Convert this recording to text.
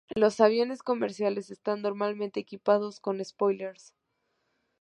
Los aviones comerciales están normalmente equipados con spoilers.